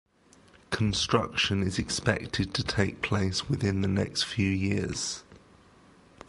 Construction is expected to take place within the next few years.